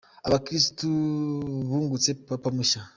Abakirisitu bungutse Papa mushya